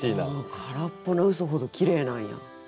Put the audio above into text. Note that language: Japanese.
「からっぽな嘘ほどきれい」なんや。